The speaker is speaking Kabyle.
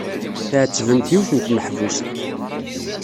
Tɛettbemt yiwet n tmeḥbust.